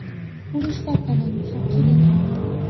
পুরুষ কর্তা নন, সাক্ষী-মাত্র।